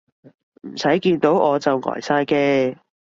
唔使見到我就呆晒嘅